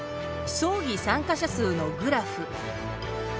２争議参加者数のグラフ。